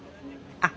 あっ。